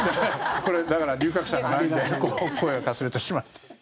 だから、龍角散がないんで声がかすれてしまって。